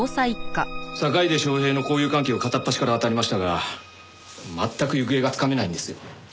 坂出昌平の交友関係を片っ端からあたりましたが全く行方がつかめないんですよ。